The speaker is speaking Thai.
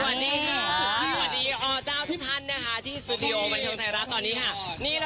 สวัสดีอ๋อเจ้าที่พันธุ์นะคะที่สตูดิโอบันทึงไทยรักษณ์ตอนนี้ค่ะ